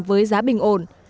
với giá bình ổn